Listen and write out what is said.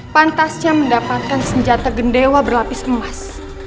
pantasnya mendapatkan senjata gendewa berlapis emas